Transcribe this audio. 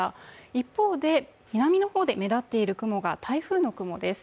一方で南の方で目立っている雲が台風の雲です。